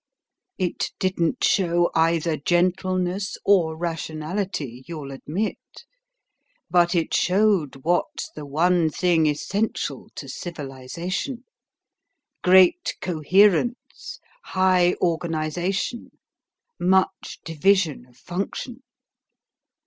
It didn't show either gentleness or rationality, you'll admit; but it showed what's the one thing essential to civilisation great coherence, high organisation, much division of function.